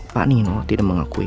pak nino tidak mengakui